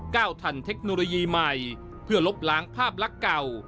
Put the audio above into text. ทันเทคโนโลยีใหม่เพื่อลบล้างภาพลักษณ์เก่า